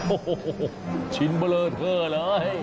โอ้โหชินเบลอเทอร์เลย